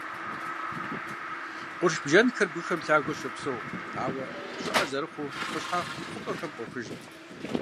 Къурш бжэнхэр бгыхэм лъагэу щопсэу, ауэ щӀыӀэ зырыхъуу, къущхьэхъу хъупӀэхэм къохыжхэр.